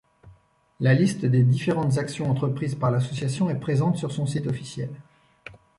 La liste des différentes actions entreprises par l'association est présente sur son site officiel.